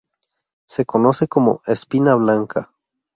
Se conoce como "espina blanca".